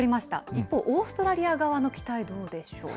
一方、オーストラリア側の期待、どうでしょう？